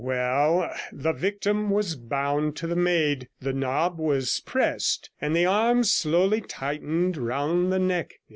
Well, the victim was bound to the Maid, the knob was pressed, and the arms slowly tightened round the neck.